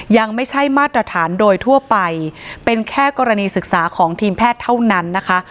ยังไม่ใช่มาตรฐานโดยทั่วไปเป็นแค่กรณีศึกษาของทีมแพทย์เท่านั้นนะคะ